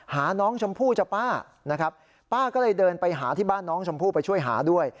หาน้องชมพู่จะป้านะครับป้าก็เลยเดินไปหาที่บ้านน้องชมพู่ไปช่วยหาด้วย